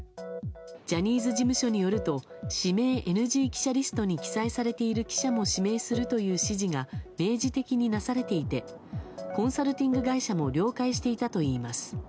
ジャニーズ事務所によると指名ＮＧ記者リストに記載されている記者も指名するという指示が明示的になされていてコンサルティング会社も了解していたといいます。